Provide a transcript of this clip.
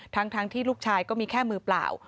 ทั้งที่ลูกชายก็มีแค่มือเปล่า